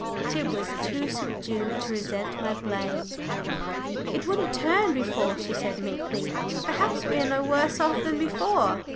Tib was too subdued to resent my blame. "It wouldn't turn before," she said meekly. "Perhaps we are no worse off than before."